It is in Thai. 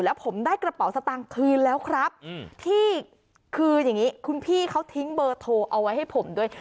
แล้วผมได้กระเป๋าสตางค์คืนแล้วครับที่คืออย่างนี้คุณพี่เขาทิ้งเบอร์โทรเอาไว้ให้ผมด้วย